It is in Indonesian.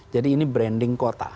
jadi ini branding kota